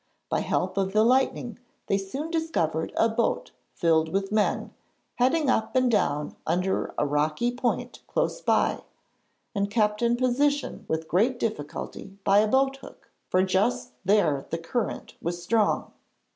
By help of the lightning they soon discovered a boat filled with men, heading up and down under a rocky point close by, and kept in position with great difficulty by a boat hook, for just there the current was strong.